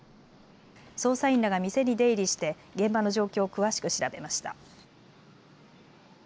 捜査員らが店に出入りして現場の状況を詳しく調べました。